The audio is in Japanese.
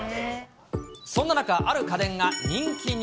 そんな中、ある家電が人気に。